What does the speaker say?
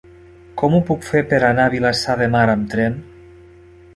Com ho puc fer per anar a Vilassar de Mar amb tren?